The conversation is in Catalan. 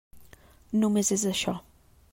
Només és això.